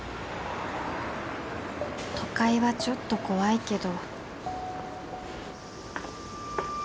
都会はちょっと怖いけど